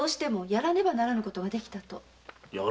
やらねばならぬこと？